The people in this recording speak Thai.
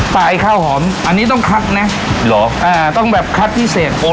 ไอ้ข้าวหอมอันนี้ต้องคัดนะเหรออ่าต้องแบบคัดพิเศษ